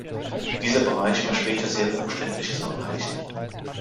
Dieser Bereich war später sehr umständlich zu erreichen.